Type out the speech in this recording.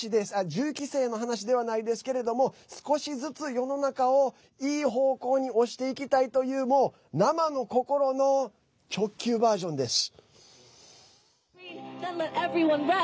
銃規制の話ではないですけれども少しずつ世の中をいい方向に押していきたいという生の心の直球バージョンです。